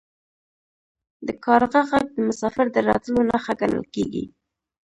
د کارغه غږ د مسافر د راتلو نښه ګڼل کیږي.